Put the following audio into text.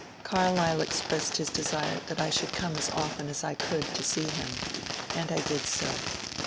Carlyle expressed his desire that I should come as often as I could to see him, and I did so.